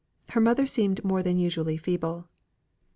Her mother seemed more than usually feeble.